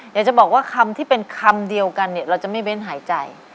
อยากจะบอกว่าคำที่เป็นคำเดียวกันเนี่ยเราจะไม่เว้นหายใจ